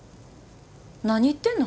何言ってんの？